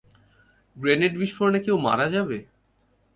Grenade বিস্ফোরণে কেউ মারা যাবে?